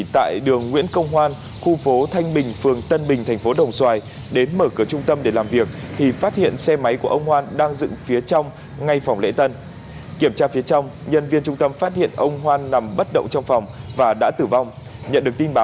xin chào và hẹn gặp lại